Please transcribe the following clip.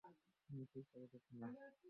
তুমি ঠিক বলেছ সোনা।